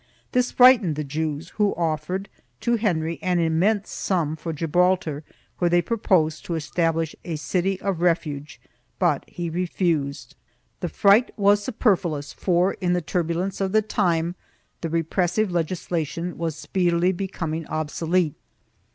This frightened the Jews, who* offered to Henry an immense sum for Gibraltar, where they pro posed to establish a city of refuge, but he refused.2 The fright was superfluous for, in the turbulence of the time, the repressive legislation was speedily becoming obsolete.